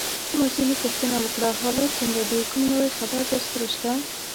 ما ځینې پوښتنه وکړه: حالات څنګه دي؟ کوم نوی خبر درسره شته؟